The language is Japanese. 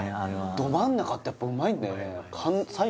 ど真ん中ってやっぱうまいんだよね